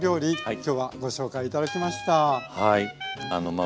今日はご紹介頂きました。